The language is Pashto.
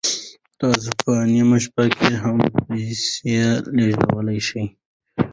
تاسو په نیمه شپه کې هم پیسې لیږدولی شئ.